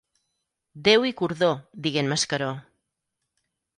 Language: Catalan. Déu i cordó -digué en Mascaró.